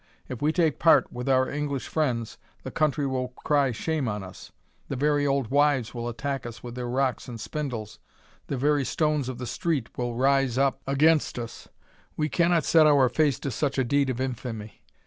If we take part with our English friends, the country will cry shame on us the very old wives will attack us with their rocks and spindles the very stones of the street will rise up against us we cannot set our face to such a deed of infamy.